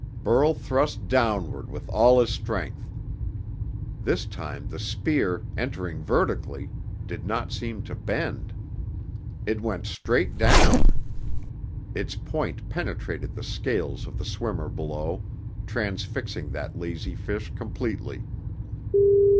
Burl thrust downward with all his strength. This time the spear, entering vertically, did not seem to bend. It went straight down. Its point penetrated the scales of the swimmer below, transfixing that lazy fish completely.